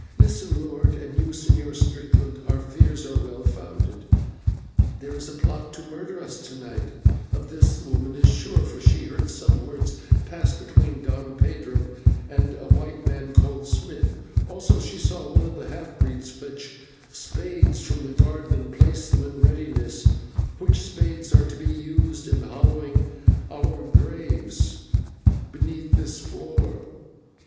"Listen, lord, and you, Señor Strickland, our fears are well founded; there is a plot to murder us to night, of this the woman is sure, for she heard some words pass between Don Pedro and a white man called Smith; also she saw one of the half breeds fetch spades from the garden and place them in readiness, which spades are to be used in the hollowing of our graves beneath this floor."